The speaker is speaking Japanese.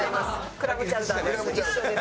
クラムチャウダーです。